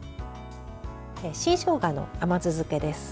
新しょうがの甘酢漬けです。